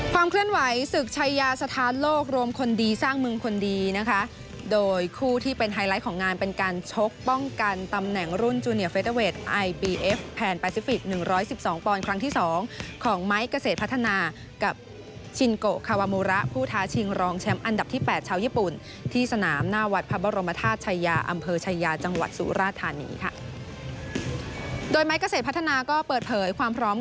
ความเคลื่อนไหวศึกชายาสถานโลกรวมคนดีสร้างเมืองคนดีนะคะโดยคู่ที่เป็นไฮไลท์ของงานเป็นการชกป้องกันตำแหน่งรุ่นจูเนียร์เฟสเตอร์เวทไอบีเอฟแผนปาซิฟิกหนึ่งร้อยสิบสองปอนด์ครั้งที่สองของไม้เกษตรพัฒนากับชินโกคาวามูระผู้ท้าชิงรองแชมป์อันดับที่แปดชาวญี่ปุ่นที่สนาม